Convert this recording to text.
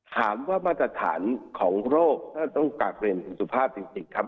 ถามว่ามาตรฐานของโรคท่านต้องกลับเรียนถึงสุภาพจริงครับ